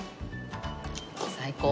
最高。